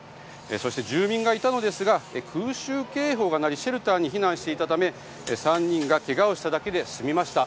そして住民がいたのですが空襲警報が鳴りシェルターに避難していたため３人がけがをしただけで済みました。